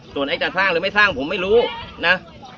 ส่วนไอ้จะสร้างหรือไม่สร้างผมไม่รู้นะ